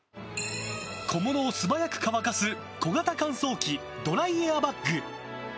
小物を素早く乾かす小型乾燥機ドライエアバッグ。